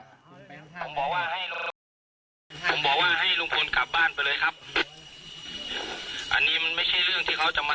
ผมบอกว่าให้ลุงพลกลับบ้านไปเลยครับอันนี้มันไม่ใช่